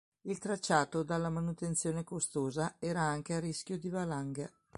Il tracciato, dalla manutenzione costosa era anche a rischio di valanghe.